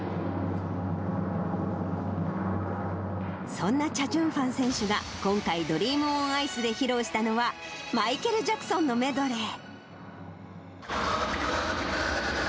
そんなチャ・ジュンファン選手が今回、ドリーム・オン・アイスで披露したのは、マイケル・ジャクソンのメドレー。